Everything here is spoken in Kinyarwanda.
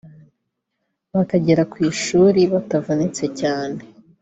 bakagera ku ishuri batavunitse cyane